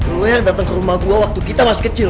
dulu yang datang ke rumah gue waktu kita masih kecil